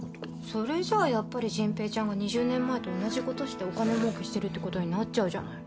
それじゃあやっぱり迅平ちゃんが２０年前と同じことしてお金もうけしてるってことになっちゃうじゃない。